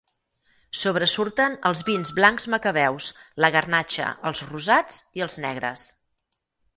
Sobresurten els vins blancs macabeus, la garnatxa, els rosats i els negres.